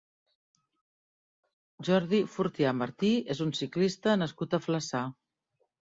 Jordi Fortià Martí és un ciclista nascut a Flaçà.